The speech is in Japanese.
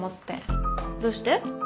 どうして？